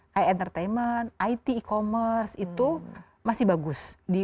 kayak entertainment it e commerce itu masih bagus